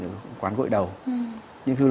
ở quán gội đầu